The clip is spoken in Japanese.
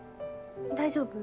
大丈夫？